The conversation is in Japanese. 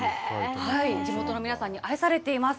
地元の皆さんに愛されています。